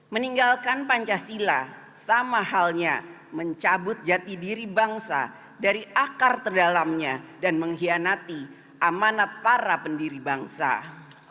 meninggalkan pancasila sama halnya mencabut jati diri bangsa dari akar terdalamnya dan mengkhianati amanat para pendiri bangsa